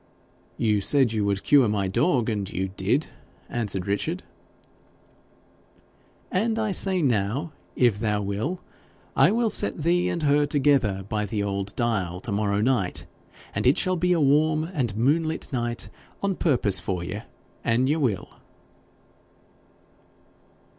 'You said you would cure my dog, and you did,' answered Richard. 'And I say now, if thou will, I will set thee and her together by the old dial to morrow night, and it shall be a warm and moonlit night on purpose for ye, an ye will.'